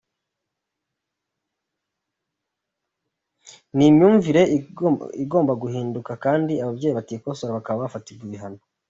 Ni imyumvire igomba guhinduka kandi ababyeyi batikosora bakaba bafatirwa n’ibihano.